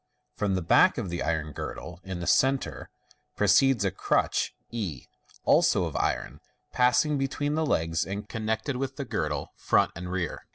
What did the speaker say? From the back of the iron girdle, in the cen^ tre, proceeds a crutch e, also of iron, passing between the legs, and connected by a strap to the front of the girdle.